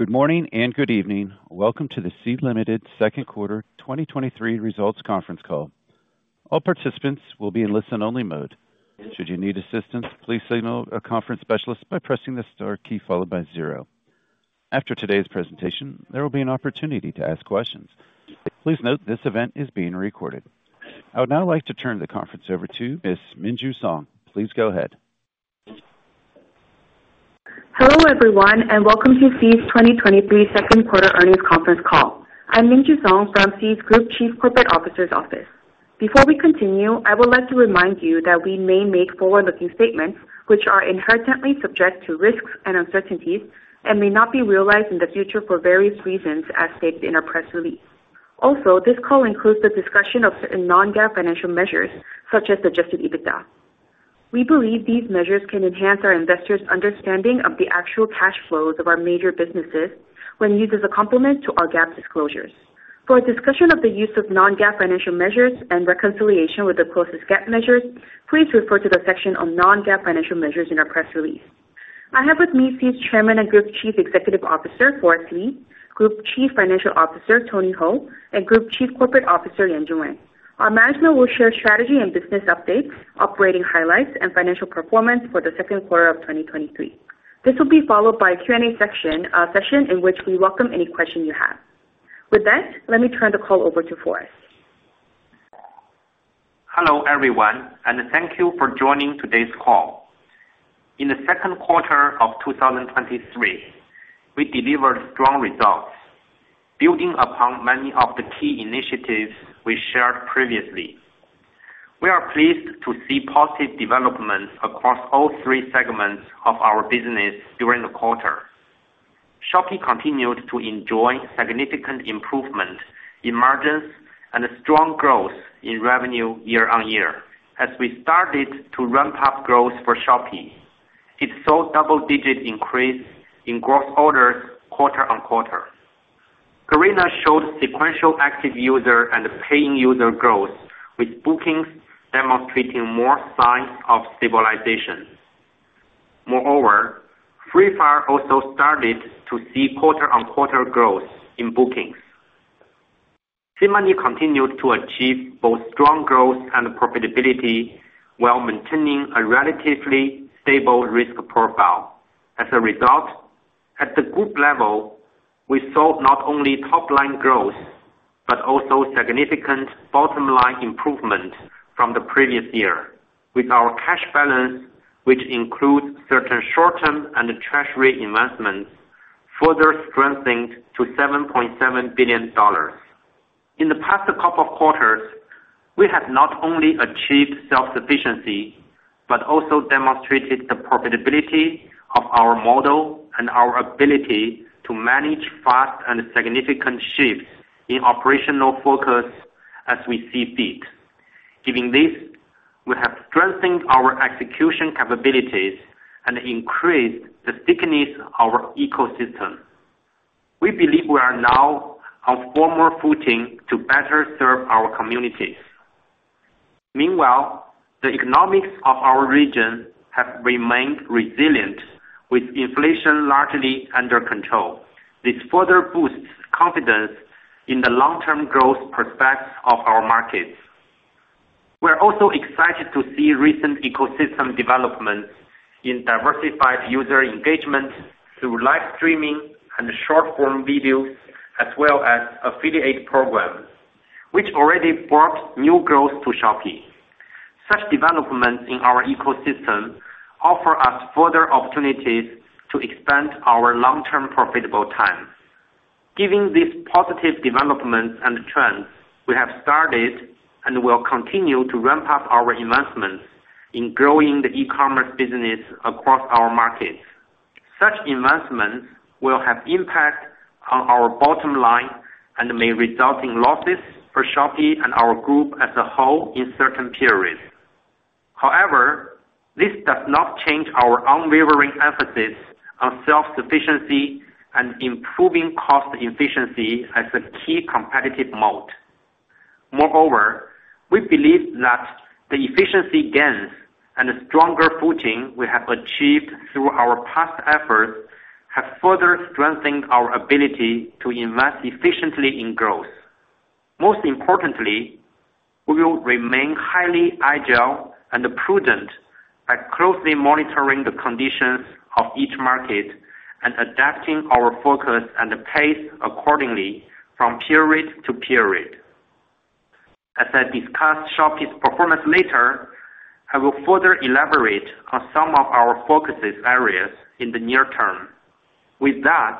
Good morning and good evening. Welcome to the Sea Limited Second Quarter 2023 Results Conference Call. All participants will be in listen-only mode. Should you need assistance, please signal a conference specialist by pressing the star key followed by zero. After today's presentation, there will be an opportunity to ask questions. Please note this event is being recorded. I would now like to turn the conference over to Ms. Minju Song. Please go ahead. Hello everyone, and welcome to Sea's 2023 Second Quarter Earnings Conference Call. I'm Minju Song from Sea's Group Chief Corporate Officer's office. Before we continue, I would like to remind you that we may make forward-looking statements which are inherently subject to risks and uncertainties, and may not be realized in the future for various reasons, as stated in our press release. Also, this call includes the discussion of certain non-GAAP financial measures, such as Adjusted EBITDA. We believe these measures can enhance our investors' understanding of the actual cash flows of our major businesses when used as a complement to our GAAP disclosures. For a discussion of the use of non-GAAP financial measures and reconciliation with the closest GAAP measures, please refer to the section on non-GAAP financial measures in our press release. I have with me Sea's Chairman and Group Chief Executive Officer, Forrest Li, Group Chief Financial Officer, Tony Hou, and Group Chief Corporate Officer, Yanjun Wang. Our management will share strategy and business updates, operating highlights, and financial performance for the second quarter of 2023. This will be followed by a Q&A section, session in which we welcome any question you have. With that, let me turn the call over to Forrest. Hello everyone, and thank you for joining today's call. In the second quarter of 2023, we delivered strong results, building upon many of the key initiatives we shared previously. We are pleased to see positive developments across all three segments of our business during the quarter. Shopee continued to enjoy significant improvement in margins and a strong growth in revenue year-on-year. As we started to ramp up growth for Shopee, it saw double-digit increase in Gross Orders, quarter-on-quarter. Garena showed sequential active user and paying user growth, with bookings demonstrating more signs of stabilization. Moreover, Free Fire also started to see quarter-on-quarter growth in bookings. SeaMoney continued to achieve both strong growth and profitability while maintaining a relatively stable risk profile. As a result, at the group level, we saw not only top-line growth, but also significant bottom line improvement from the previous year, with our cash balance, which includes certain short-term and treasury investments, further strengthened to $7.7 billion. In the past couple of quarters, we have not only achieved self-sufficiency, but also demonstrated the profitability of our model and our ability to manage fast and significant shifts in operational focus as we see fit. Given this, we have strengthened our execution capabilities and increased the thickness of our ecosystem. We believe we are now on firmer footing to better serve our communities. Meanwhile, the economics of our region have remained resilient, with inflation largely under control. This further boosts confidence in the long-term growth prospects of our markets. We're also excited to see recent ecosystem developments in diversified user engagement through live streaming and short-form videos, as well as affiliate programs, which already brought new growth to Shopee. Such developments in our ecosystem offer us further opportunities to expand our long-term profitable TAM. Given these positive developments and trends, we have started and will continue to ramp up our investments in growing the e-commerce business across our markets. Such investments will have impact on our bottom line and may result in losses for Shopee and our group as a whole in certain periods. This does not change our unwavering emphasis on self-sufficiency and improving cost efficiency as a key competitive mode. We believe that the efficiency gains and stronger footing we have achieved through our past efforts have further strengthened our ability to invest efficiently in growth. Most importantly, we will remain highly agile and prudent by closely monitoring the conditions of each market and adapting our focus and pace accordingly from period to period. As I discuss Shopee's performance later, I will further elaborate on some of our focuses areas in the near term. With that,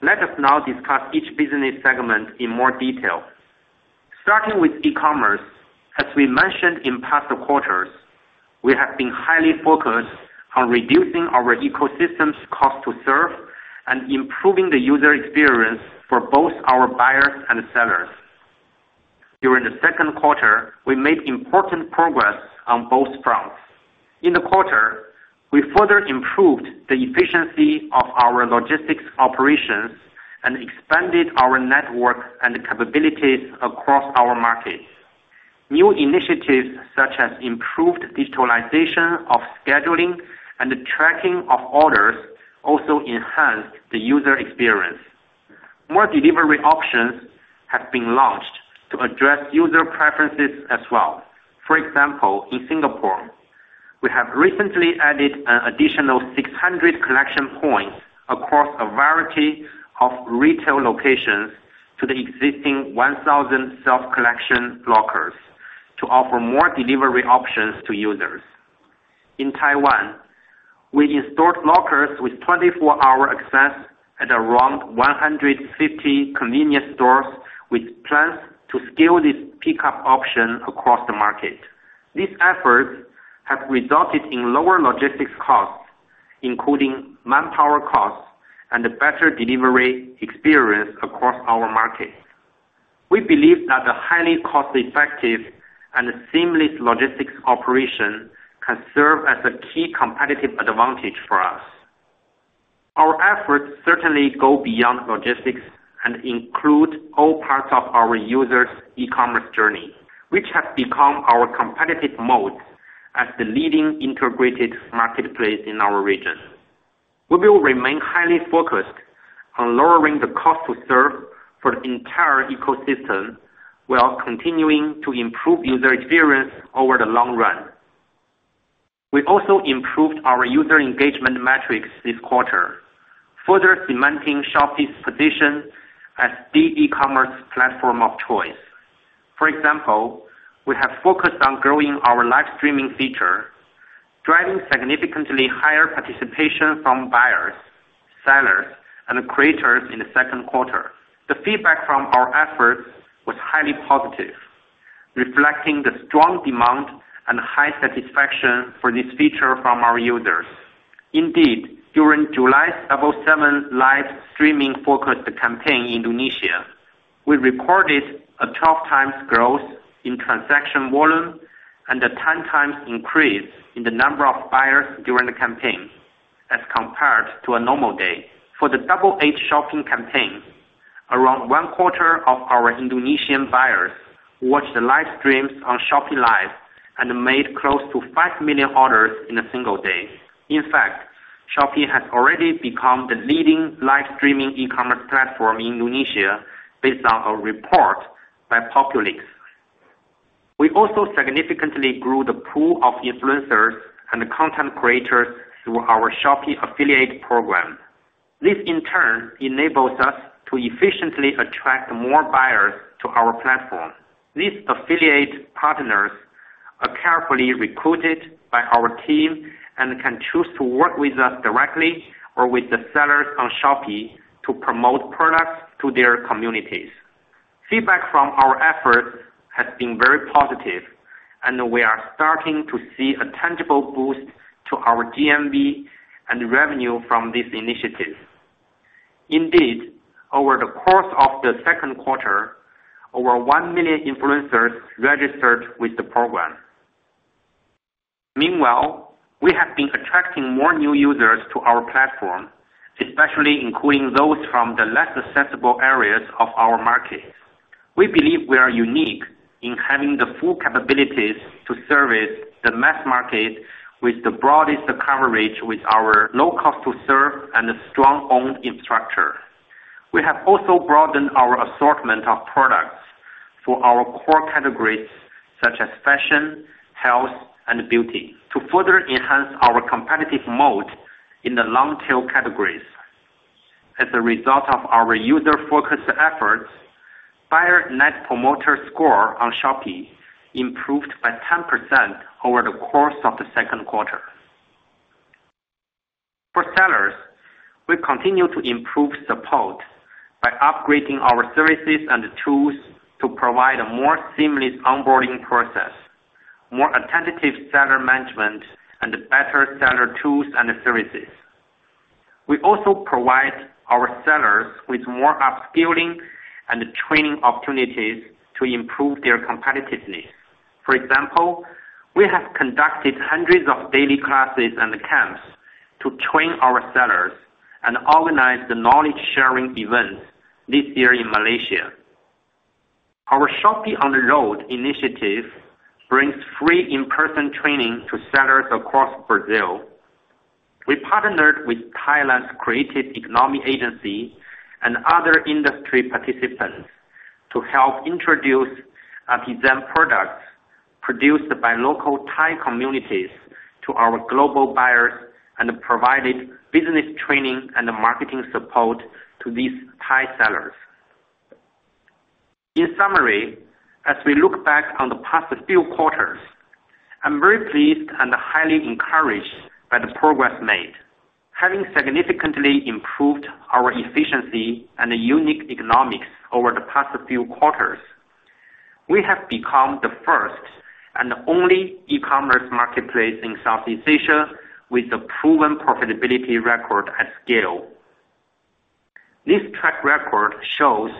let us now discuss each business segment in more detail. Starting with e-commerce, as we mentioned in past quarters, we have been highly focused on reducing our ecosystem's cost to serve and improving the user experience for both our buyers and sellers. During the second quarter, we made important progress on both fronts. In the quarter, we further improved the efficiency of our logistics operations and expanded our network and capabilities across our markets. New initiatives, such as improved digitalization of scheduling and the tracking of orders, also enhanced the user experience. More delivery options have been launched to address user preferences as well. For example, in Singapore, we have recently added an additional 600 collection points across a variety of retail locations to the existing 1,000 self-collection lockers, to offer more delivery options to users. In Taiwan, we installed lockers with 24-hour access at around 150 convenience stores, with plans to scale this pickup option across the market. These efforts have resulted in lower logistics costs, including manpower costs and a better delivery experience across our markets. We believe that the highly cost-effective and seamless logistics operation can serve as a key competitive advantage for us. Our efforts certainly go beyond logistics and include all parts of our users' e-commerce journey, which has become our competitive moat as the leading integrated marketplace in our region. We will remain highly focused on lowering the cost to serve for the entire ecosystem, while continuing to improve user experience over the long run. We also improved our user engagement metrics this quarter, further cementing Shopee's position as the e-commerce platform of choice. For example, we have focused on growing our live streaming feature, driving significantly higher participation from buyers, sellers, and creators in the second quarter. The feedback from our efforts was highly positive, reflecting the strong demand and high satisfaction for this feature from our users. Indeed, during July's 7.7 live streaming-focused campaign in Indonesia, we recorded a 12 times growth in transaction volume and a 10 times increase in the number of buyers during the campaign, as compared to a normal day. For the 8.8 shopping campaign, around one quarter of our Indonesian buyers watched the live streams on Shopee Live and made close to 5 million orders in a single day. In fact, Shopee has already become the leading live streaming e-commerce platform in Indonesia, based on a report by Populix. We also significantly grew the pool of influencers and content creators through our Shopee Affiliate Program. This, in turn, enables us to efficiently attract more buyers to our platform. These affiliate partners are carefully recruited by our team and can choose to work with us directly or with the sellers on Shopee to promote products to their communities. Feedback from our efforts has been very positive, and we are starting to see a tangible boost to our GMV and revenue from these initiatives. Indeed, over the course of the second quarter, over 1 million influencers registered with the program. Meanwhile, we have been attracting more new users to our platform, especially including those from the less accessible areas of our markets. We believe we are unique in having the full capabilities to service the mass market with the broadest coverage, with our low cost to serve and a strong owned infrastructure. We have also broadened our assortment of products for our core categories, such as fashion, health, and beauty, to further enhance our competitive moat in the long-tail categories. As a result of our user-focused efforts, buyer Net Promoter Score on Shopee improved by 10% over the course of the second quarter. For sellers, we continue to improve support by upgrading our services and tools to provide a more seamless onboarding process, more attentive seller management, and better seller tools and services. We also provide our sellers with more upskilling and training opportunities to improve their competitiveness. For example, we have conducted hundreds of daily classes and camps to train our sellers and organize the knowledge-sharing events this year in Malaysia. Our Shopee on the Road initiative brings free in-person training to sellers across Brazil. We partnered with Thailand's Creative Economy Agency and other industry participants to help introduce and present products produced by local Thai communities to our global buyers, and provided business training and marketing support to these Thai sellers. In summary, as we look back on the past few quarters, I'm very pleased and highly encouraged by the progress made. Having significantly improved our efficiency and unique economics over the past few quarters, we have become the first and only e-commerce marketplace in Southeast Asia with a proven profitability record at scale. This track record shows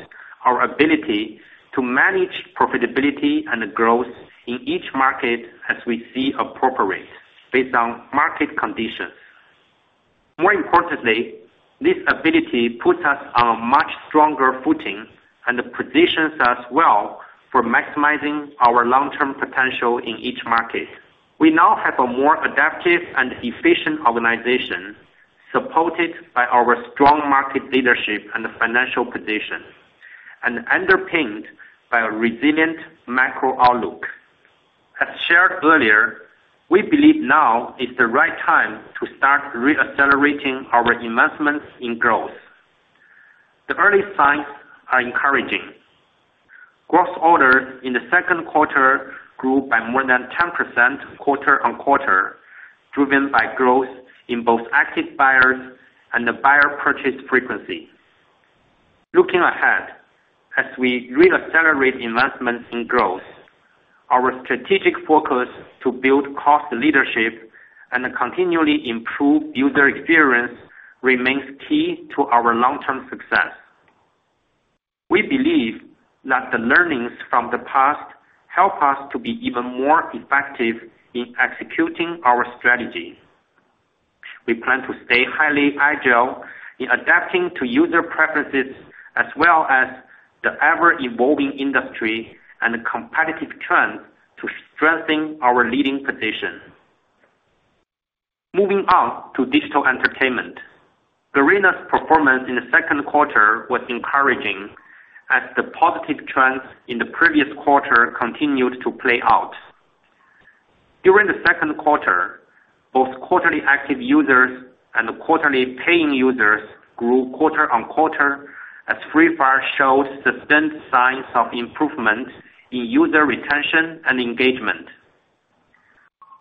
our ability to manage profitability and growth in each market as we see appropriate, based on market conditions. More importantly, this ability puts us on a much stronger footing and positions us well for maximizing our long-term potential in each market. We now have a more adaptive and efficient organization, supported by our strong market leadership and financial position, and underpinned by a resilient macro outlook. As shared earlier, we believe now is the right time to start reaccelerating our investments in growth. The early signs are encouraging. Gross Orders in the second quarter grew by more than 10% quarter-on-quarter, driven by growth in both active buyers and the buyer purchase frequency. Looking ahead, as we reaccelerate investments in growth, our strategic focus to build cost leadership and continually improve user experience remains key to our long-term success. We believe that the learnings from the past help us to be even more effective in executing our strategy. We plan to stay highly agile in adapting to user preferences, as well as the ever-evolving industry and competitive trends to strengthen our leading position. Moving on to digital entertainment. Garena's performance in the second quarter was encouraging, as the positive trends in the previous quarter continued to play out. During the second quarter, both quarterly active users and quarterly paying users grew quarter-on-quarter, as Free Fire shows sustained signs of improvement in user retention and engagement.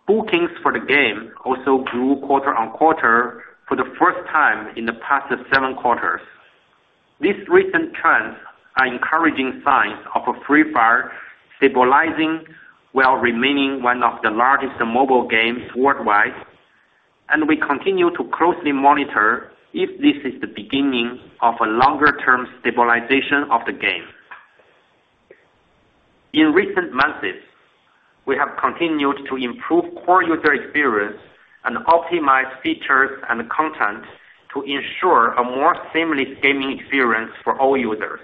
Bookings for the game also grew quarter-on-quarter for the first time in the past seven quarters. These recent trends are encouraging signs of Free Fire stabilizing, while remaining one of the largest mobile games worldwide, and we continue to closely monitor if this is the beginning of a longer-term stabilization of the game. In recent months, we have continued to improve core user experience and optimize features and content to ensure a more seamless gaming experience for all users.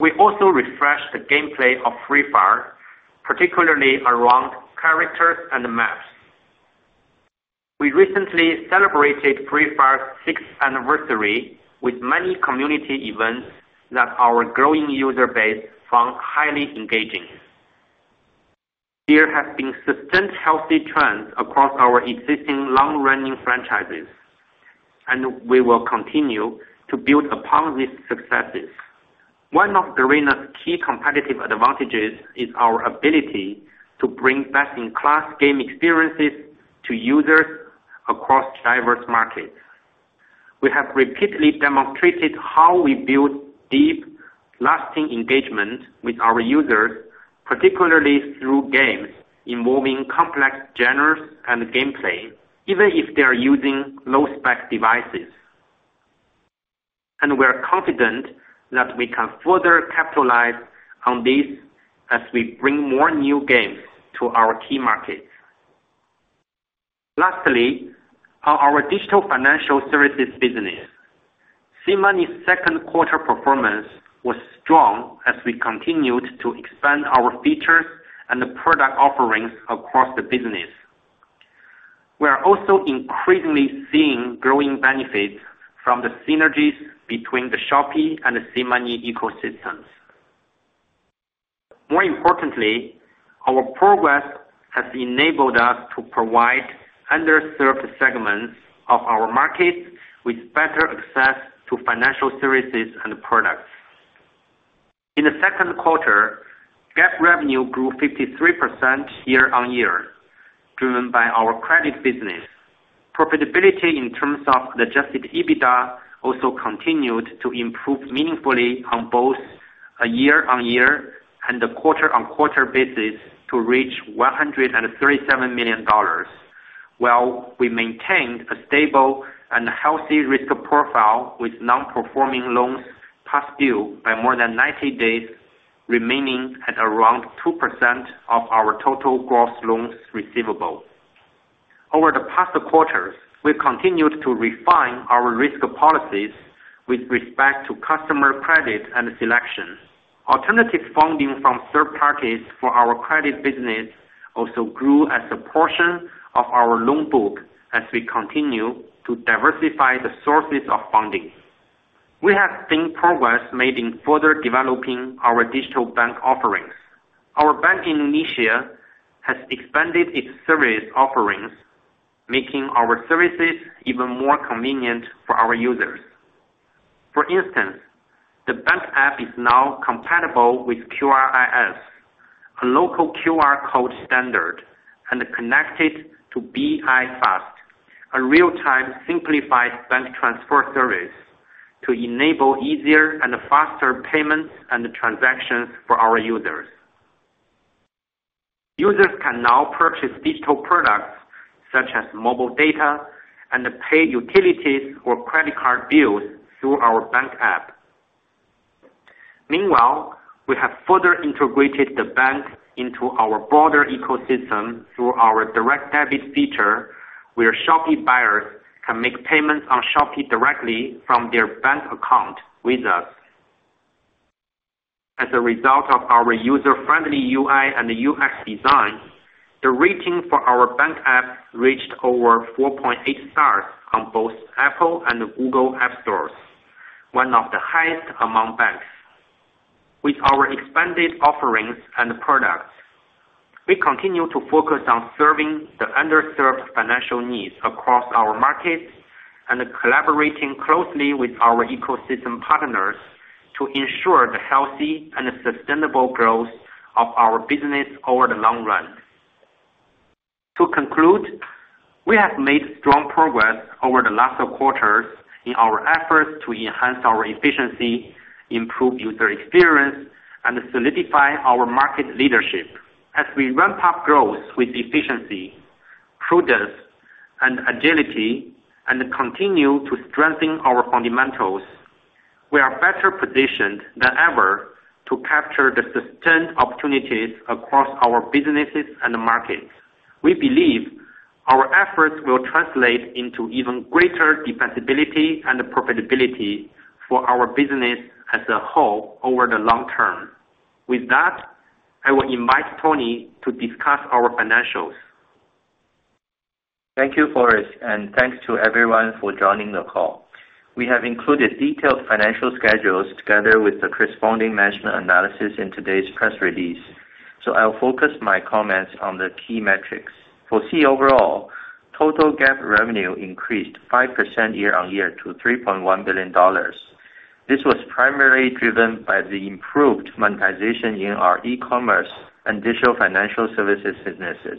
We also refreshed the gameplay of Free Fire, particularly around characters and maps. We recently celebrated Free Fire's sixth anniversary with many community events that our growing user base found highly engaging. There have been sustained healthy trends across our existing long-running franchises, and we will continue to build upon these successes. One of Garena's key competitive advantages is our ability to bring best-in-class game experiences to users across diverse markets. We have repeatedly demonstrated how we build deep, lasting engagement with our users, particularly through games involving complex genres and gameplay, even if they are using low-spec devices. We are confident that we can further capitalize on this as we bring more new games to our key markets. Lastly, on our digital financial services business, SeaMoney's second quarter performance was strong as we continued to expand our features and product offerings across the business. We are also increasingly seeing growing benefits from the synergies between the Shopee and SeaMoney ecosystems. More importantly, our progress has enabled us to provide underserved segments of our markets with better access to financial services and products. In the second quarter, GAAP revenue grew 53% year-on-year, driven by our credit business. Profitability in terms of Adjusted EBITDA also continued to improve meaningfully on both a year-on-year and a quarter-on-quarter basis to reach $137 million, while we maintained a stable and healthy risk profile, with non-performing loans past due by more than 90 days, remaining at around 2% of our Total Gross Loans Receivable. Over the past quarters, we've continued to refine our risk policies with respect to customer credit and selection. Alternative funding from third parties for our credit business also grew as a portion of our loan book as we continue to diversify the sources of funding. We have seen progress made in further developing our digital bank offerings. Our bank in Indonesia has expanded its service offerings, making our services even more convenient for our users. For instance, the bank app is now compatible with QRIS, a local QR code standard, and connected to BI-FAST, a real-time simplified bank transfer service to enable easier and faster payments and transactions for our users. Users can now purchase digital products such as mobile data and pay utilities or credit card bills through our bank app. Meanwhile, we have further integrated the bank into our broader ecosystem through our direct debit feature, where Shopee buyers can make payments on Shopee directly from their bank account with us. As a result of our user-friendly UI and UX design, the rating for our bank app reached over 4.8 stars on both Apple and Google Play Store, one of the highest among banks. With our expanded offerings and products, we continue to focus on serving the underserved financial needs across our markets and collaborating closely with our ecosystem partners to ensure the healthy and sustainable growth of our business over the long run. To conclude, we have made strong progress over the last quarters in our efforts to enhance our efficiency, improve user experience, and solidify our market leadership. As we ramp up growth with efficiency, prudence, and agility, and continue to strengthen our fundamentals, we are better positioned than ever to capture the sustained opportunities across our businesses and markets. We believe our efforts will translate into even greater defensibility and profitability for our business as a whole over the long term. With that, I will invite Tony to discuss our financials. Thank you, Forrest, thanks to everyone for joining the call. We have included detailed financial schedules together with the corresponding management analysis in today's press release, so I'll focus my comments on the key metrics. For Sea overall, total GAAP revenue increased 5% year-on-year to $3.1 billion. This was primarily driven by the improved monetization in our e-commerce and digital financial services businesses.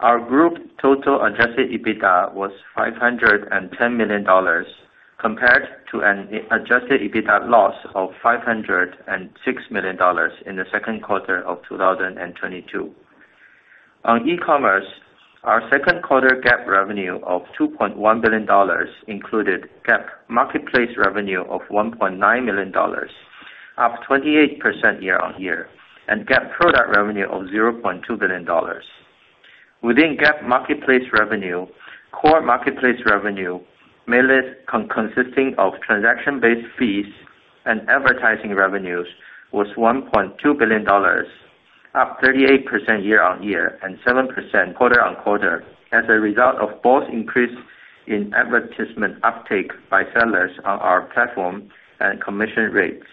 Our group total Adjusted EBITDA was $510 million, compared to an Adjusted EBITDA loss of $506 million in the second quarter of 2022. On e-commerce, our second quarter GAAP revenue of $2.1 billion included GAAP Marketplace Revenue of $1.9 million, up 28% year-on-year, and GAAP product revenue of $0.2 billion. Within GAAP Marketplace Revenue, core marketplace revenue, mainly consisting of transaction-based fees and advertising revenues, was $1.2 billion, up 38% year-on-year and 7% quarter-on-quarter, as a result of both increase in advertisement uptake by sellers on our platform and commission rates.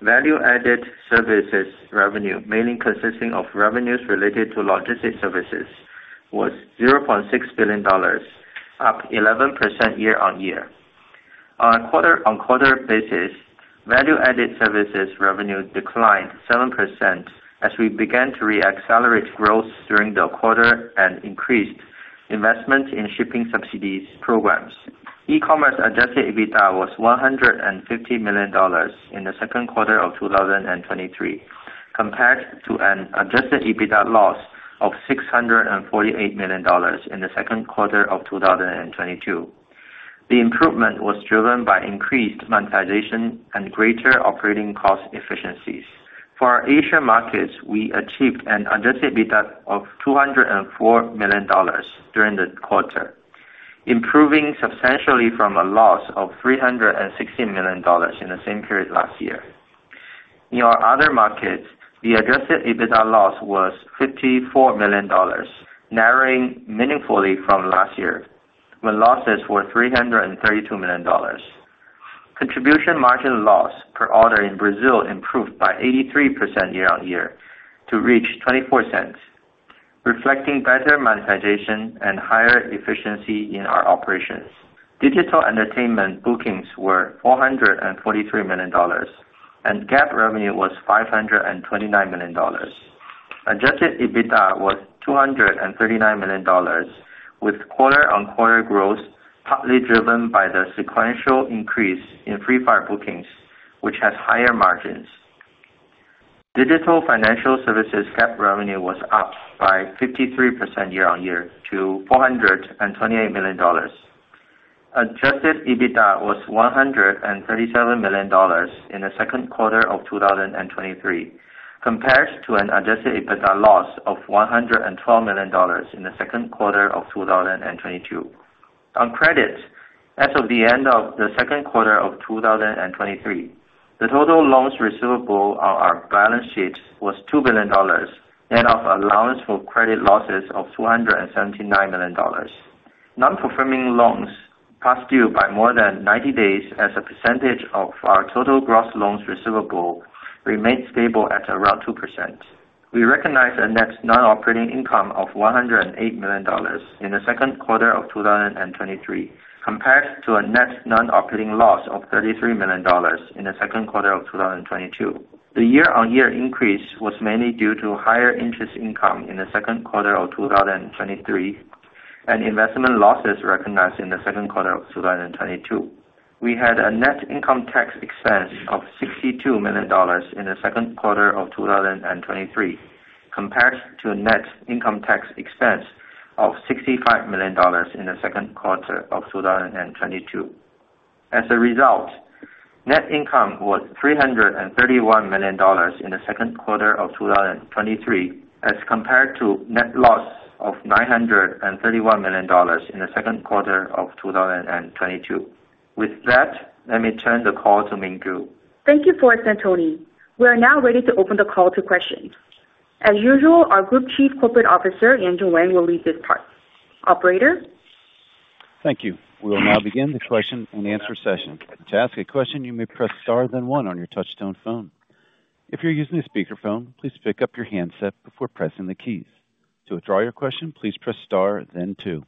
Value-Added Services Revenue, mainly consisting of revenues related to logistics services, was $0.6 billion, up 11% year-on-year. On a quarter-on-quarter basis, Value-Added Services Revenue declined 7% as we began to reaccelerate growth during the quarter and increased investment in shipping subsidies programs. E-commerce Adjusted EBITDA was $150 million in the second quarter of 2023, compared to an Adjusted EBITDA loss of $648 million in the second quarter of 2022. The improvement was driven by increased monetization and greater operating cost efficiencies. For our Asia markets, we achieved an Adjusted EBITDA of $204 million during the quarter, improving substantially from a loss of $360 million in the same period last year. In our other markets, the Adjusted EBITDA loss was $54 million, narrowing meaningfully from last year, when losses were $332 million. Contribution margin loss per order in Brazil improved by 83% year-on-year to reach $0.24, reflecting better monetization and higher efficiency in our operations. Digital entertainment bookings were $443 million, and GAAP revenue was $529 million. Adjusted EBITDA was $239 million, with quarter-on-quarter growth, partly driven by the sequential increase in Free Fire bookings, which has higher margins. Digital financial services GAAP revenue was up by 53% year-on-year to $428 million. Adjusted EBITDA was $137 million in the second quarter of 2023, compared to an Adjusted EBITDA loss of $112 million in the second quarter of 2022. On credits, as of the end of the second quarter of 2023, the total loans receivable on our balance sheets was $2 billion, net of allowance for credit losses of $279 million. Non-performing loans past due by more than 90 days as a percentage of our Total Gross Loans Receivable remained stable at around 2%. We recognized a net non-operating income of $108 million in the second quarter of 2023, compared to a net non-operating loss of $33 million in the second quarter of 2022. The year-on-year increase was mainly due to higher interest income in the second quarter of 2023, and investment losses recognized in the second quarter of 2022. We had a net income tax expense of $62 million in the second quarter of 2023. compared to a net income tax expense of $65 million in the second quarter of 2022. As a result, net income was $331 million in the second quarter of 2023, as compared to net loss of $931 million in the second quarter of 2022. With that, let me turn the call to Minju. Thank you, Forrest and Tony. We are now ready to open the call to questions. As usual, our Group Chief Corporate Officer, Yanjun Wang, will lead this part. Operator? Thank you. We will now begin the question and answer session. To ask a question, you may press star, then one on your touchtone phone. If you're using a speakerphone, please pick up your handset before pressing the keys. To withdraw your question, please press star then two.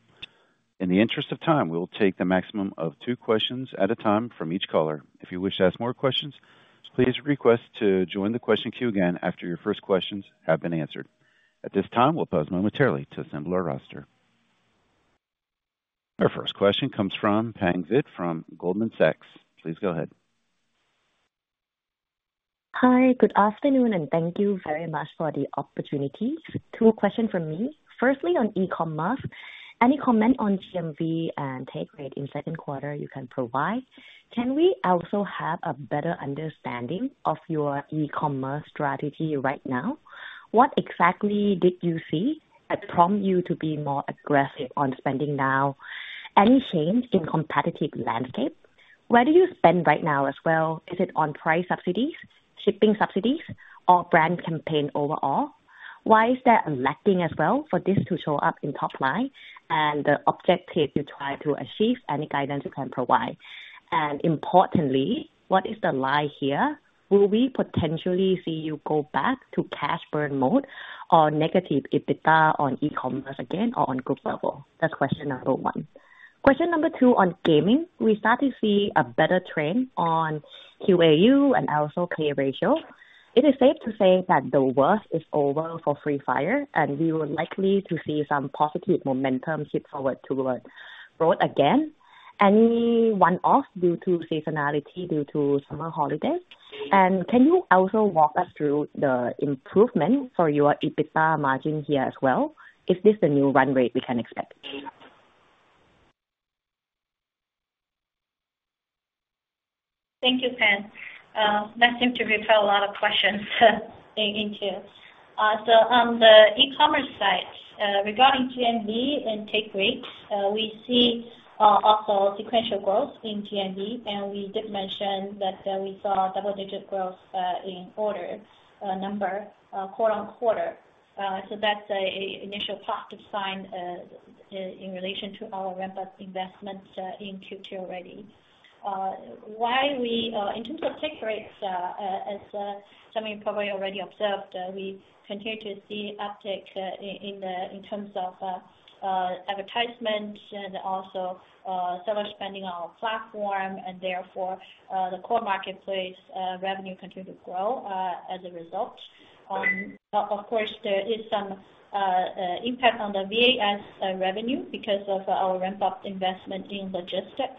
In the interest of time, we will take the maximum of two questions at a time from each caller. If you wish to ask more questions, please request to join the question queue again after your first questions have been answered. At this time, we'll pause momentarily to assemble our roster. Our first question comes from Pang Vittayaamnuaykoon from Goldman Sachs. Please go ahead. Hi, good afternoon. Thank you very much for the opportunity. Two questions from me. Firstly, on e-commerce, any comment on GMV and take rate in second quarter you can provide? Can we also have a better understanding of your e-commerce strategy right now? What exactly did you see that prompt you to be more aggressive on spending now? Any change in competitive landscape? Where do you spend right now as well? Is it on price subsidies, shipping subsidies, or brand campaign overall? Why is that lacking as well for this to show up in top line and the objective you try to achieve, any guidance you can provide? Importantly, what is the line here? Will we potentially see you go back to cash burn mode or negative EBITDA on e-commerce again or on group level? That's question one. Question number two on gaming, we start to see a better trend on QAU and also pay ratio. It is safe to say that the worst is over for Free Fire, and we are likely to see some positive momentum shift forward to growth again. Any one-off due to seasonality, due to summer holidays? Can you also walk us through the improvement for your EBITDA margin here as well? Is this the new run rate we can expect? Thank you, Pang. That seemed to require a lot of questions, thank you. On the e-commerce side, regarding GMV and take rate, we see also sequential growth in GMV, and we did mention that, we saw double-digit growth, in order, number, quarter-on-quarter. That's a, initial positive sign, in, in relation to our ramp-up investments, in Q2 already. Why we... In terms of take rates, as, some of you probably already observed, we continue to see uptick, in, in the, in terms of, advertisements and also, seller spending on our platform, and therefore, the core marketplace, revenue continue to grow, as a result. is some impact on the VAS revenue because of our ramp-up investment in logistics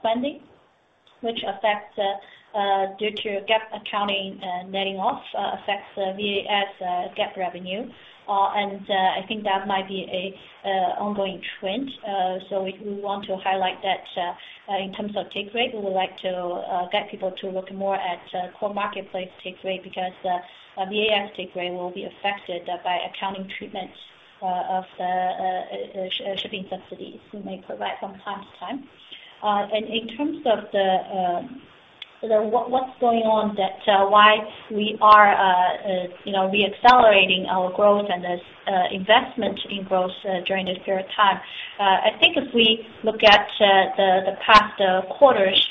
spending, which affects, due to GAAP accounting, netting off, affects the VAS GAAP revenue. And I think that might be an ongoing trend. So we want to highlight that in terms of take rate, we would like to get people to look more at Core Marketplace Take Rate, because the VAS take rate will be affected by accounting treatment of the shipping subsidies we may provide from time to time. And in terms of what's going on that, why we are, you know, reaccelerating our growth and this investment in growth during this period of time. at the past quarters,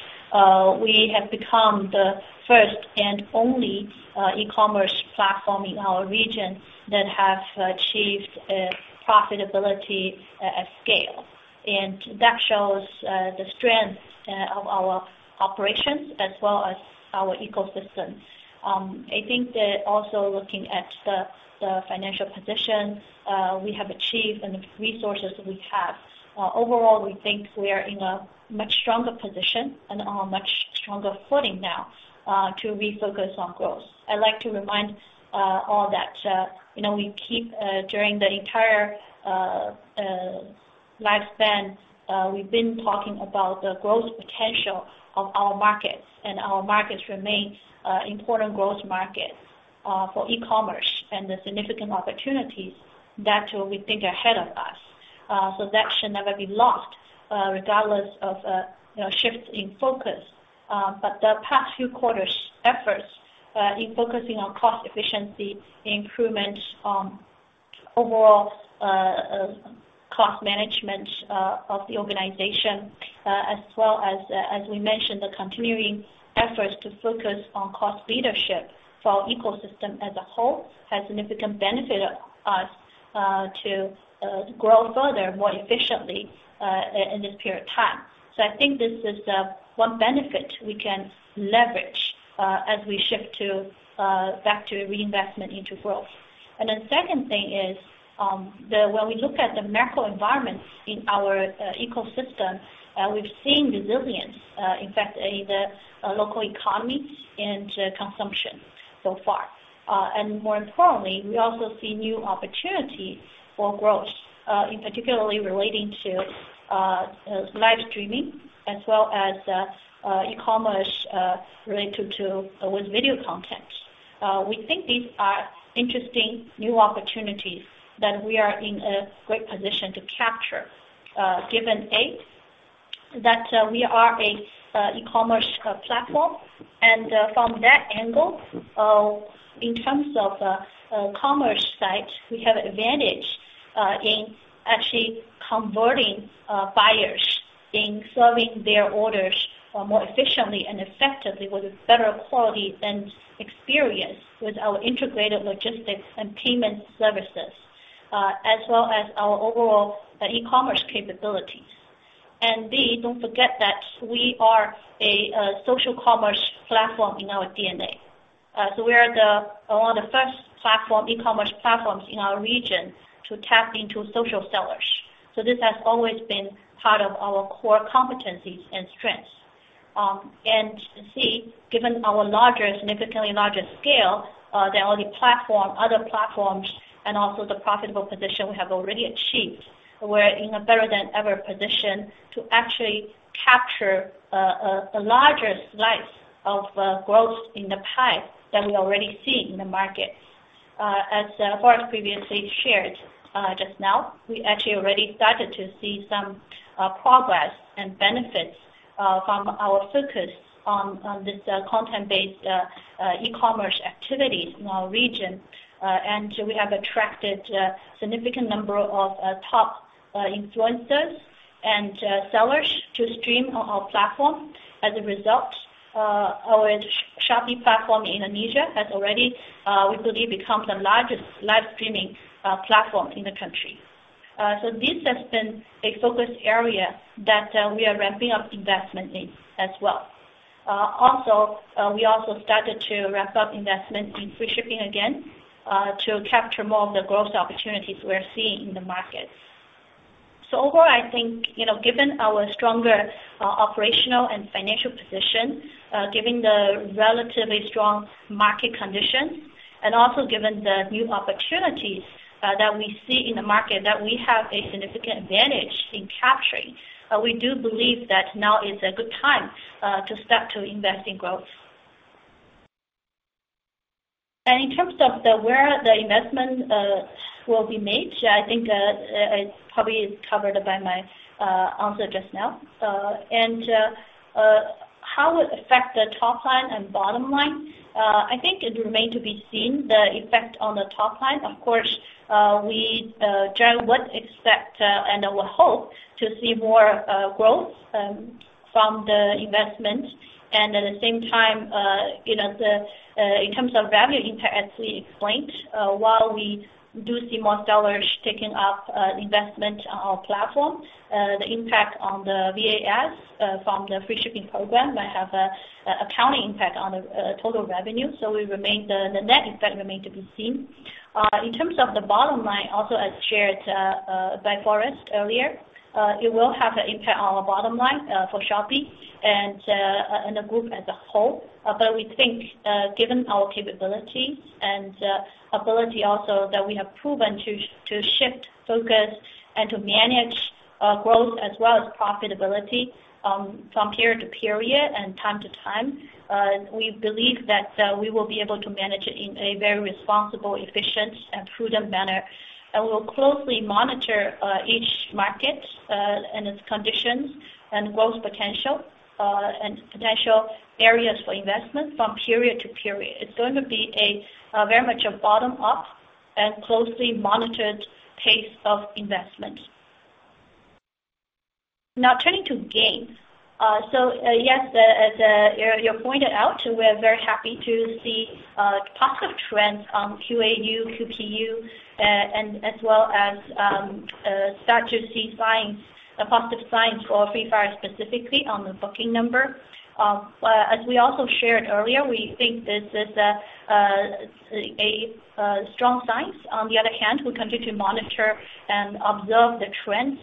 we have become the first and only e-commerce platform in our region that have achieved profitability at scale. And that shows the strength of our operations as well as our ecosystem. I think that also looking at the financial position we have achieved and the resources we have, overall, we think we are in a much stronger position and on a much stronger footing now to refocus on growth. I'd like to remind all that, you know, we keep during the entire lifespan, we've been talking about the growth potential of our markets, and our markets remain important growth markets for e-commerce and the significant opportunities that we think are ahead of us That should never be lost, regardless of, you know, shifts in focus. The past few quarters' efforts, in focusing on cost efficiency, improvement on overall cost management of the organization, as well as, as we mentioned, the continuing efforts to focus on cost leadership for our ecosystem as a whole, has significant benefit of us to grow further, more efficiently, in this period of time. I think this is one benefit we can leverage as we shift to back to reinvestment into growth. The second thing is, when we look at the macro environment in our ecosystem, we've seen resilience, in fact, in the local economy and consumption so far. More importantly, we also see new opportunities for growth, particularly relating to live streaming as well as e-commerce with video content. We think these are interesting new opportunities that we are in a great position to capture, given, A, that we are a e-commerce platform. From that angle, in terms of commerce sites, we have advantage in actually converting buyers in serving their orders more efficiently and effectively, with a better quality and experience with our integrated logistics and payment services, as well as our overall e-commerce capabilities. B, don't forget that we are a social commerce platform in our DNA. One of the first platform, e-commerce platforms in our region to tap into social sellers. This has always been part of our core competencies and strengths. Given our larger, significantly larger scale than any platform, other platforms, and also the profitable position we have already achieved, we're in a better than ever position to actually capture a larger slice of growth in the pie than we already see in the market. As Forrest previously shared just now, we actually already started to see some progress and benefits from our focus on, on this content-based e-commerce activities in our region. We have attracted a significant number of top influencers and sellers to stream on our platform. As a result, our Shopee platform in Indonesia has already, we believe, become the largest live streaming platform in the country. This has been a focused area that we are ramping up investment in as well. Also, we also started to ramp up investment in free shipping again to capture more of the growth opportunities we're seeing in the market. Overall, I think, you know, given our stronger operational and financial position, given the relatively strong market condition, and also given the new opportunities that we see in the market, that we have a significant advantage in capturing, we do believe that now is a good time to start to invest in growth. In terms of the where the investment will be made, I think, it probably is covered by my answer just now. How it affect the top line and bottom line? I think it remain to be seen, the effect on the top line. Of course, we generally would expect, and we hope to see more growth from the investment. And at the same time, you know, in terms of revenue impact, as we explained, while we do see more sellers taking up investment on our platform, the impact on the VAS from the free shipping program might have an accounting impact on the total revenue. So we remain the, the net effect remain to be seen. In terms of the bottom line, also as shared by Forrest earlier, it will have an impact on our bottom line for Shopee and the group as a whole. We think, given our capability and ability also, that we have proven to, to shift focus and to manage growth as well as profitability, from period to period and time to time, we believe that we will be able to manage it in a very responsible, efficient, and prudent manner. We'll closely monitor each market and its conditions and growth potential and potential areas for investment from period to period. It's going to be a very much a bottom up and closely monitored pace of investment. Now, turning to games. Yes, the, as you, you pointed out, we're very happy to see positive trends on QAU, QPU, and as well as start to see signs, positive signs for Free Fire, specifically on the booking number. As we also shared earlier, we think this is a strong signs. On the other hand, we continue to monitor and observe the trends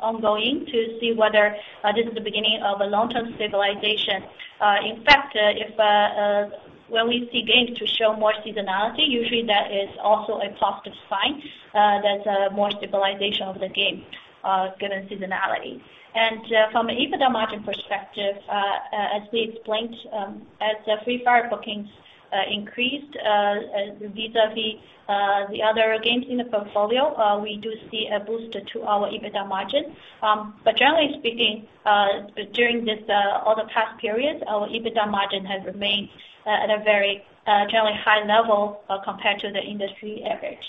ongoing to see whether this is the beginning of a long-term stabilization. In fact, if when we see games to show more seasonality, usually that is also a positive sign, that's a more stabilization of the game, given seasonality. From an EBITDA margin perspective, as we explained, as the Free Fire bookings increased vis-a-vis the other games in the portfolio, we do see a boost to our EBITDA margin. Generally speaking, during this all the past periods, our EBITDA margin has remained at a very generally high level, compared to the industry average.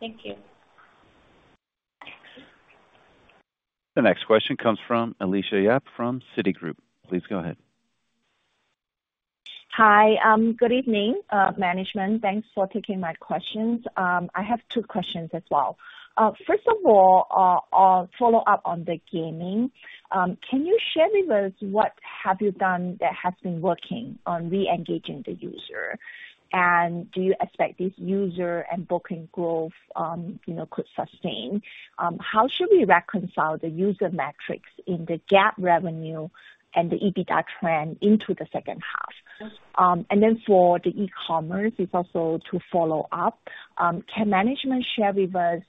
Thank you. The next question comes from Alicia Yap from Citigroup. Please go ahead. Hi, good evening, management. Thanks for taking my questions. I have two questions as well. First of all, follow up on the gaming. Can you share with us what have you done that has been working on reengaging the user? Do you expect this user and booking growth, you know, could sustain? How should we reconcile the user metrics in the GAAP revenue and the EBITDA trend into the second half? Then for the e-commerce, it's also to follow up. Can management share with us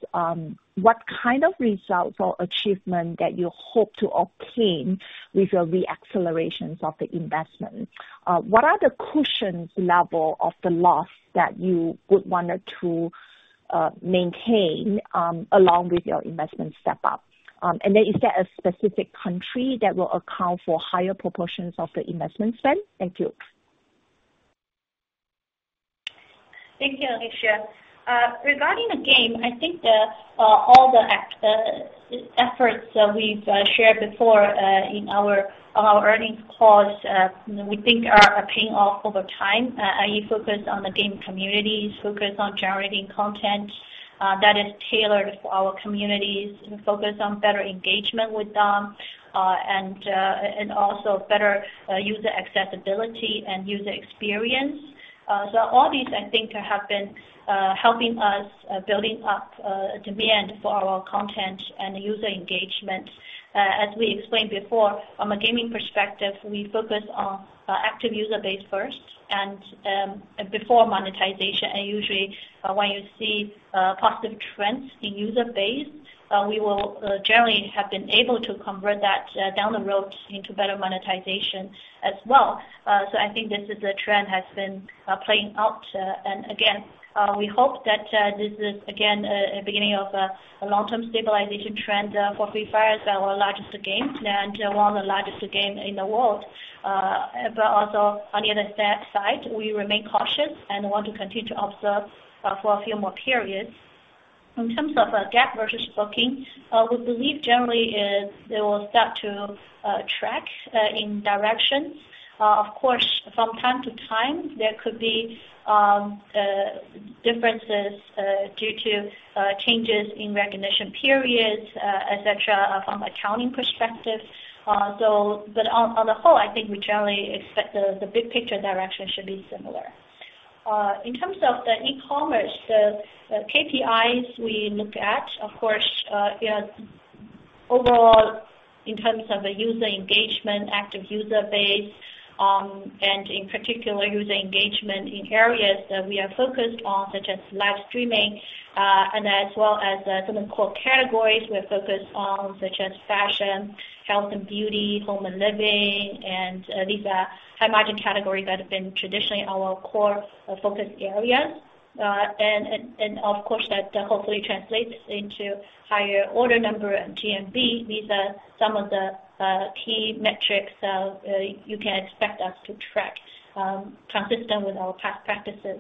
what kind of results or achievement that you hope to obtain with your re-accelerations of the investment? What are the cushions level of the loss that you would wanted to maintain, along with your investment step up? Is there a specific country that will account for higher proportions of the investment spend? Thank you. Thank you, Alicia. Regarding the game, I think all the efforts that we've shared before, in our, on our earnings calls, we think are paying off over time. I focus on the game communities, focus on generating content that is tailored for our communities, and focus on better engagement with them, and also better user accessibility and user experience. All these, I think, have been helping us building up demand for our content and user engagement. As we explained before, from a gaming perspective, we focus on active user base first and before monetization. Usually, when you see positive trends in user base, we will generally have been able to convert that down the road into better monetization as well. I think this is a trend has been playing out. Again, we hope that this is again, a beginning of a long-term stabilization trend for Free Fire, our largest game, and one of the largest game in the world. Also on the other side, we remain cautious and want to continue to observe for a few more periods. In terms of GAAP versus booking, we believe generally is they will start to track in direction. Of course, from time to time, there could be differences due to changes in recognition periods, et cetera, from accounting perspective. But on, on the whole, I think we generally expect the big picture direction should be similar. In terms of the e-commerce, the, the KPIs we look at, of course, overall, in terms of the user engagement, active user base, and in particular, user engagement in areas that we are focused on, such as live streaming, and as well as, some of core categories we're focused on, such as fashion, health and beauty, home and living, and, these are high-margin categories that have been traditionally our core focus areas. Of course, that hopefully translates into higher order number and GMV. These are some of the key metrics you can expect us to track, consistent with our past practices.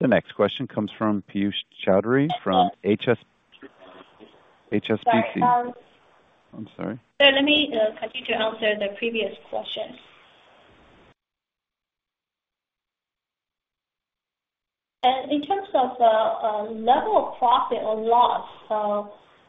The next question comes from Piyush Choudhary from HSBC. Sorry. I'm sorry. Sir, let me continue to answer the previous question. In terms of level of profit or loss,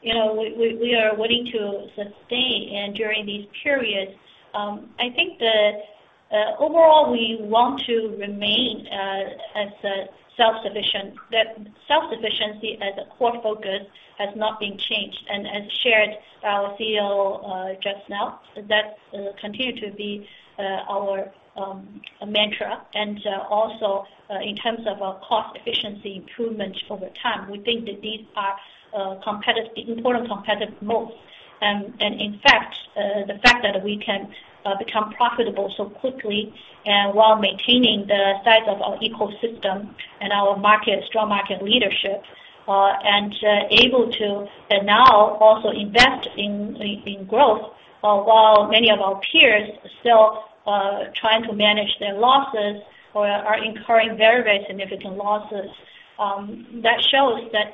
you know, we, we, we are willing to sustain, and during these periods, I think that overall, we want to remain as a self-sufficient. That self-sufficiency as a core focus has not been changed. As shared by our CEO, just now, that will continue to be our mantra. Also, in terms of our cost efficiency improvements over time, we think that these are competitive, important competitive moats. In fact, the fact that we can become profitable so quickly, while maintaining the size of our ecosystem and our market, strong market leadership, and able to, and now also invest in, in, in growth, while many of our peers are still trying to manage their losses or are incurring very, very significant losses. That shows that,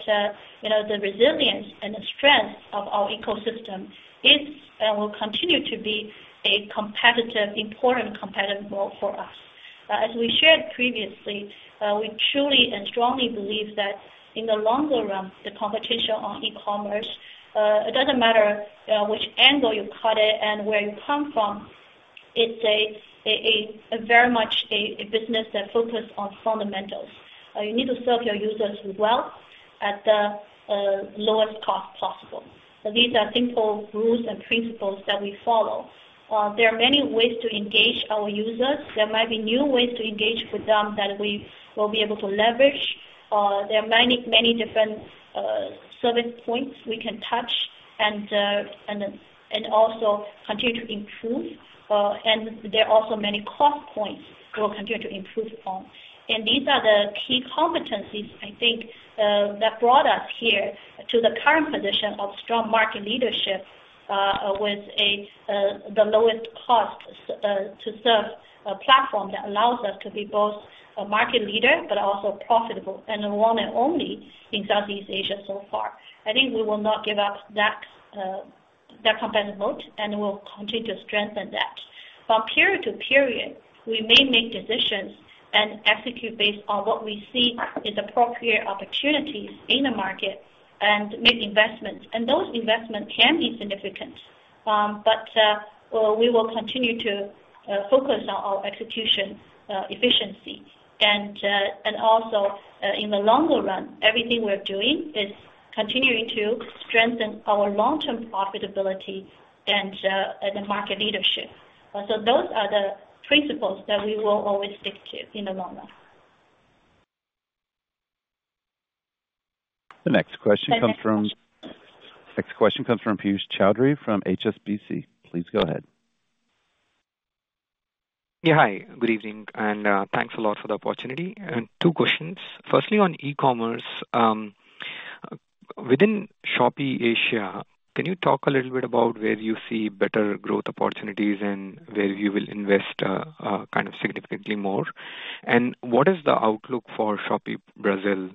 you know, the resilience and the strength of our ecosystem is, and will continue to be a competitive, important competitive moat for us. As we shared previously, we truly and strongly believe that in the longer run, the competition on e-commerce, it doesn't matter, which angle you cut it and where you come from, it's a, a, a, very much a, a business that focused on fundamentals. You need to serve your users well at the lowest cost possible. These are simple rules and principles that we follow. There are many ways to engage our users. There might be new ways to engage with them that we will be able to leverage. There are many, many different service points we can touch and and then, and also continue to improve. There are also many cost points we'll continue to improve on. These are the key competencies, I think, that brought us here to the current position of strong market leadership, with a the lowest cost to serve a platform that allows us to be both a market leader but also profitable, and the one and only in Southeast Asia so far. I think we will not give up that, that competitive moat, and we'll continue to strengthen that. Period to period, we may make and execute based on what we see is appropriate opportunities in the market and make investments. Those investments can be significant, but we will continue to focus on our execution efficiency. Also, in the longer run, everything we're doing is continuing to strengthen our long-term profitability and the market leadership. Those are the principles that we will always stick to in the long run. The next question comes from—the next question comes from Piyush Choudhary from HSBC. Please go ahead. Yeah, hi. Good evening, and thanks a lot for the opportunity. Two questions: firstly, on e-commerce, within Shopee Asia, can you talk a little bit about where you see better growth opportunities and where you will invest kind of significantly more? What is the outlook for Shopee Brazil?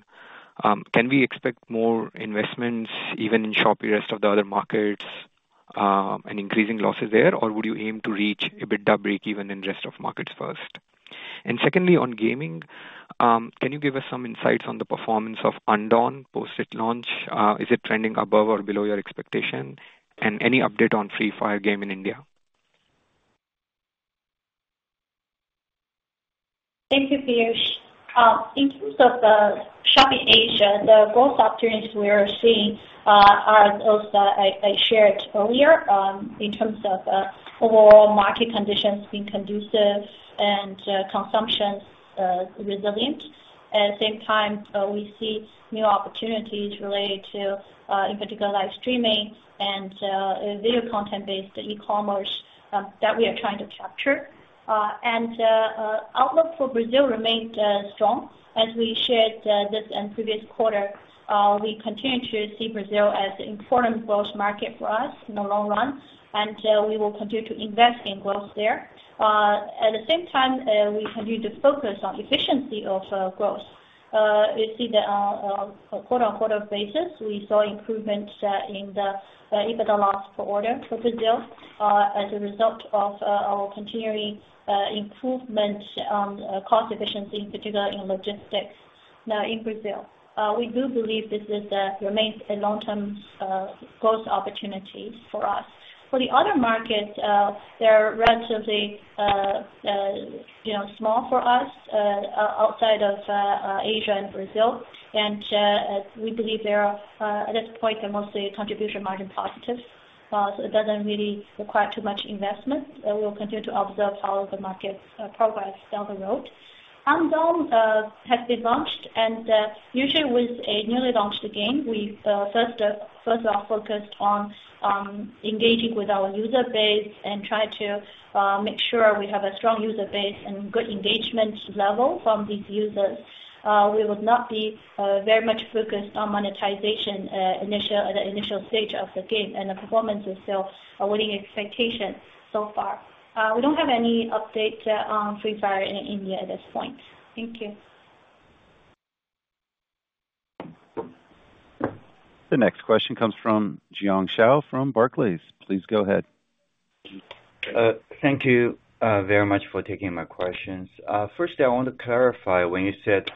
Can we expect more investments, even in Shopee, rest of the other markets, and increasing losses there? Or would you aim to reach EBITDA breakeven in rest of markets first? Secondly, on gaming, can you give us some insights on the performance of Undawn post its launch? Is it trending above or below your expectation? Any update on Free Fire game in India? Thank you, Piyush. In terms of the Shopee Asia, the growth opportunities we are seeing, are those that I, I shared earlier, in terms of, overall market conditions being conducive and, consumption, resilient. At the same time, we see new opportunities related to, in particular, live streaming and, video content-based e-commerce, that we are trying to capture. Outlook for Brazil remains, strong. As we shared, this and previous quarter, we continue to see Brazil as an important growth market for us in the long run, and, we will continue to invest in growth there. At the same time, we continue to focus on efficiency of, growth. We see that on, on a quarter-on-quarter basis, we saw improvements in the EBITDA loss per order for Brazil, as a result of our continuing improvement on cost efficiency, in particular in logistics, in Brazil. We do believe this is remains a long-term growth opportunity for us. For the other markets, they're relatively, you know, small for us, outside of Asia and Brazil. We believe they are, at this point, they're mostly contribution margin positives, so it doesn't really require too much investment. We'll continue to observe how the market progress down the road. Undawn has been launched. Usually with a newly launched game, we first first are focused on engaging with our user base and try to make sure we have a strong user base and good engagement level from these users. We would not be very much focused on monetization initial, at the initial stage of the game. The performance is still awaiting expectation so far. We don't have any update on Free Fire in India at this point. Thank you. The next question comes from Jiong Shao from Barclays. Please go ahead. Thank you very much for taking my questions. Firstly, I want to clarify when you said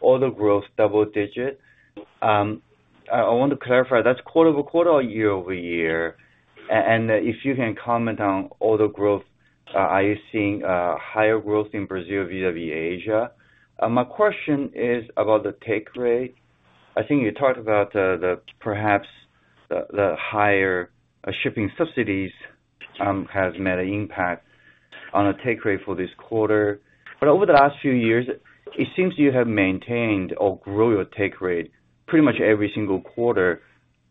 order growth double-digit, I want to clarify, that's quarter-over-quarter or year-over-year? If you can comment on order growth, are you seeing higher growth in Brazil vis-a-vis Asia? My question is about the take rate. I think you talked about the, perhaps the, the higher shipping subsidies has made an impact on the take rate for this quarter. Over the last few years, it seems you have maintained or grow your take rate pretty much every single quarter.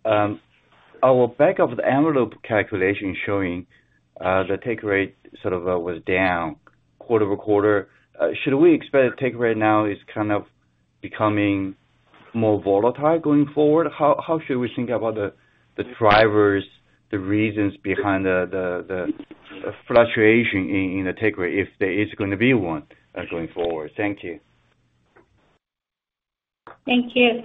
Our back-of-the-envelope calculation showing the take rate sort of was down quarter-over-quarter. Should we expect take rate now is kind of becoming more volatile going forward? How, how should we think about the, the drivers, the reasons behind the, the, the fluctuation in, in the take rate, if there is gonna be one, going forward? Thank you. Thank you.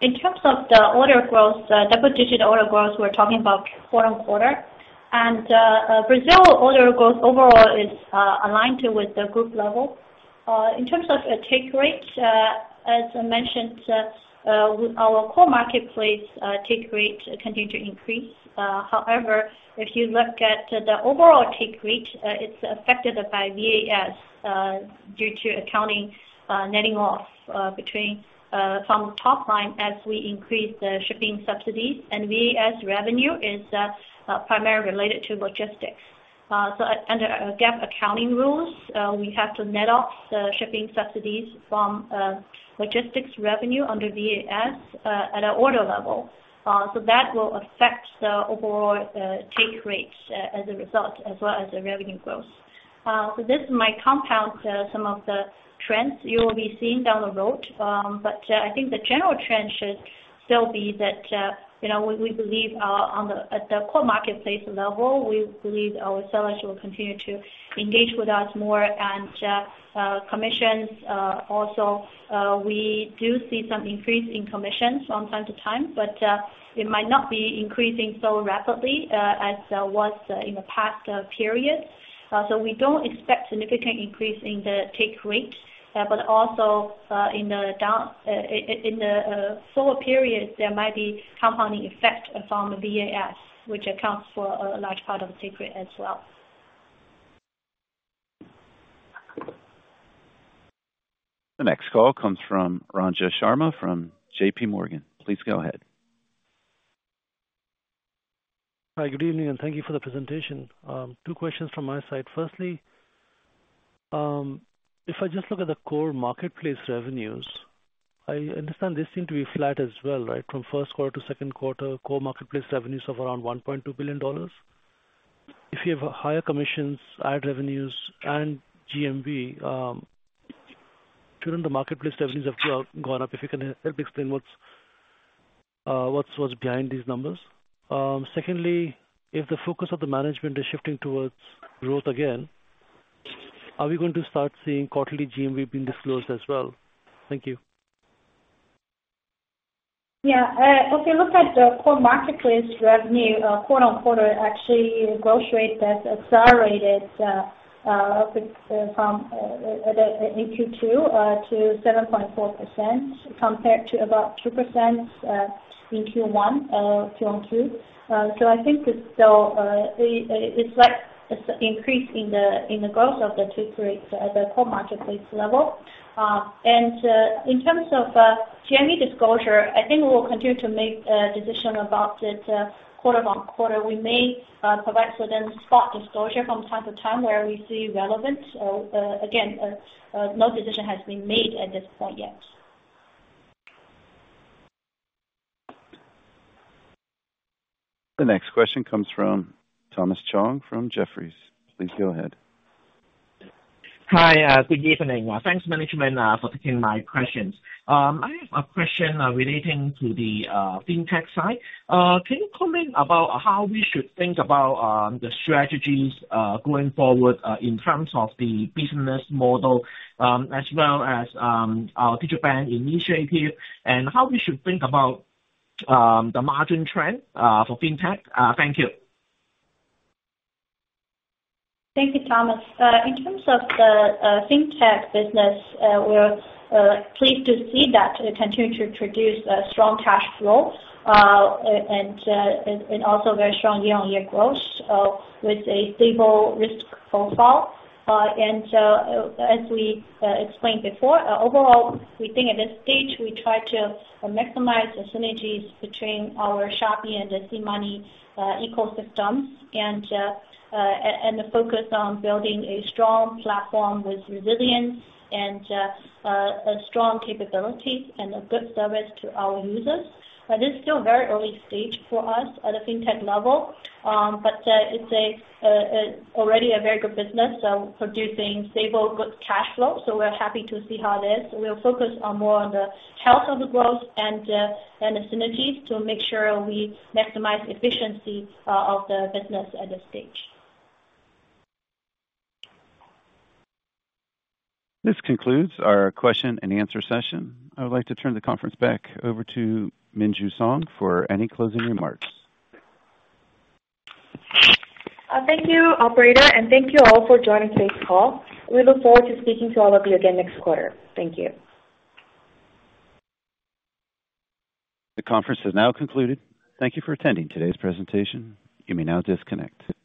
In terms of the order growth, double-digit order growth, we're talking about quarter-over-quarter. Brazil order growth overall is aligned to with the group level. In terms of the take rate, as I mentioned, our core marketplace take rate continue to increase. However, if you look at the overall take rate, it's affected by VAS due to accounting netting off from top line as we increase the shipping subsidies, and VAS revenue is primarily related to logistics. Under GAAP accounting rules, we have to net off the shipping subsidies from logistics revenue under VAS at an order level. That will affect the overall take rate as a result, as well as the revenue growth. So this might compound some of the trends you will be seeing down the road. But I think the general trend should still be that, you know, we, we believe, on the-- at the core marketplace level, we believe our sellers will continue to engage with us more and commissions also, we do see some increase in commissions from time to time, but it might not be increasing so rapidly as was in the past periods. So we don't expect significant increase in the take rate, but also, in the-- in the forward period, there might be compounding effect from VAS, which accounts for a large part of the take rate as well. The next call comes from Ranjan Sharma from J.P. Morgan. Please go ahead. Hi, good evening, thank you for the presentation. Two questions from my side. Firstly, if I just look at the core marketplace revenues, I understand they seem to be flat as well, right? From first quarter to second quarter, core marketplace revenues of around $1.2 billion. If you have higher commissions, ad revenues and GMV, shouldn't the marketplace revenues have gone up? If you can help explain what's behind these numbers. Secondly, if the focus of the management is shifting towards growth again, are we going to start seeing quarterly GMV being disclosed as well? Thank you. Yeah, if you look at the core marketplace revenue, quarter-on-quarter, actually growth rate has accelerated from in Q2 to 7.4%, compared to about 2% in Q1, Q on Q. I think it's still, it, it's like increasing the, in the growth of the two periods at the core marketplace level. In terms of GMV disclosure, I think we will continue to make a decision about it, quarter-on-quarter. We may provide for them spot disclosure from time to time where we see relevant. Again, no decision has been made at this point yet. The next question comes from Thomas Chong from Jefferies. Please go ahead. Hi, good evening. Thanks, management, for taking my questions. I have a question relating to the Fintech side. Can you comment about how we should think about the strategies going forward in terms of the business model, as well as our future plan initiative and how we should think about the margin trend for Fintech? Thank you. Thank you, Thomas. In terms of the Fintech business, we're pleased to see that it continue to produce a strong cash flow, and, and also very strong year-on-year growth, with a stable risk profile. As we explained before, overall, we think at this stage, we try to maximize the synergies between our Shopee and the SeaMoney ecosystems and focus on building a strong platform with resilience and a strong capabilities and a good service to our users. It's still very early stage for us at the Fintech level, but it's already a very good business, producing stable, good cash flow. We're happy to see how it is. We'll focus on more on the health of the growth and, and the synergies to make sure we maximize efficiency of the business at this stage. This concludes our question and answer session. I would like to turn the conference back over to Minju Song for any closing remarks. Thank you, operator, and thank you all for joining today's call. We look forward to speaking to all of you again next quarter. Thank you. The conference has now concluded. Thank you for attending today's presentation. You may now disconnect.